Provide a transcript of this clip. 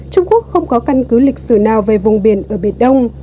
trung quốc không có căn cứ lịch sử nào về vùng biển ở biển đông